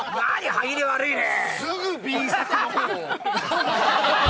歯切れ悪いね。